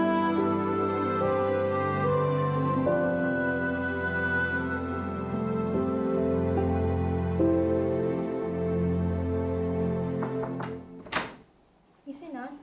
udah mula dali caption